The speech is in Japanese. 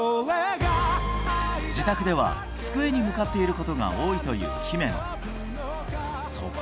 自宅では机に向かっていることが多いという姫野。